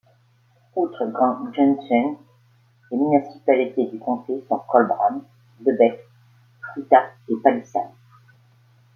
Outre Grand Junction, les municipalités du comté sont Collbran, De Beque, Fruita et Palisade.